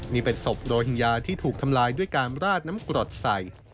นี่เป็นศพโรหิงญาที่ถูกทำลายด้วยการราดน้ำกรดใส่